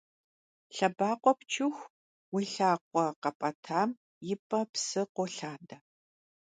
Лъэбакъуэ пчыху, уи лъакъуэ къэпӀэтам и пӀэ псы къолъадэ.